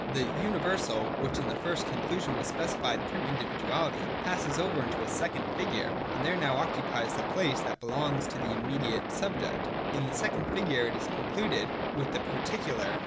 187.] The universal, which in the first conclusion was specified through individuality, passes over into the second figure and there now occupies the place that belonged to the immediate subject. In the second figure it is concluded with the particular.